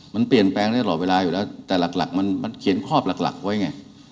มันเปลี่ยนแปลงได้ตลอดเวลาอยู่แล้วแต่หลักมันเขียนข้อหลักไว้ไง